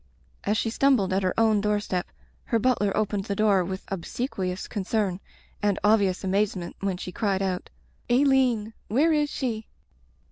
As she stumbled at her own doorstep her butler opened the door with obsequious con cern, and obvious amazement when she cried out — ^"4^1een — ^where is she?"